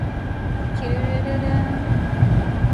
きゅるるるるるるるるんんんんんん